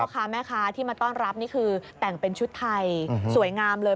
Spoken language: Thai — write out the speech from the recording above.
ค้าแม่ค้าที่มาต้อนรับนี่คือแต่งเป็นชุดไทยสวยงามเลย